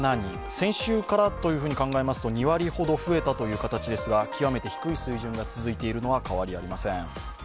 先週からというふうに考えますと２割ほど増えた形ですが、極めて低い水準が続いているのは変わりありません。